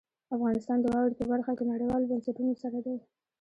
افغانستان د واورې په برخه کې نړیوالو بنسټونو سره دی.